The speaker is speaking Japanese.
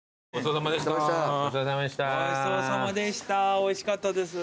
おいしかったです。